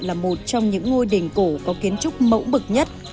là một trong những ngôi đình cổ có kiến trúc mẫu bực nhất